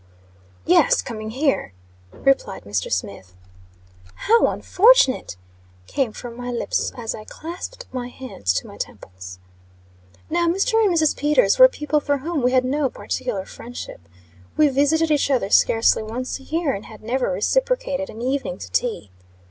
"Yes, coming here," replied Mr. Smith. "How unfortunate!" came from my lips, as I clasped my hands to my temples. Now, Mr. and Mrs. Peters were people for whom we had no particular friendship. We visited each other scarcely once a year, and had never reciprocated an evening to tea.